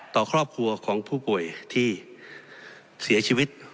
ต่อครอบครัวของผู้ป่วยที่เสียชีวิต